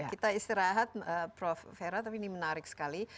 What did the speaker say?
kita istirahat prof fera tapi ini menarik sekali